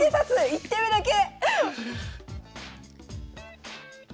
１手目だけ！